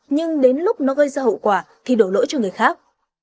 nhưng đến lúc nó gây ra hậu quả thì đổ lỗi cho người khác